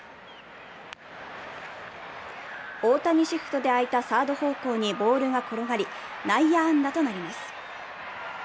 大谷シフトで空いたサード方向にボールが転がり内野安打となります。